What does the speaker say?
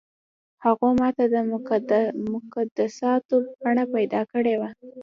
هغو ماته د مقدساتو بڼه پیدا کړې وه.